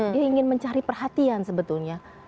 dia ingin mencari perhatian sebetulnya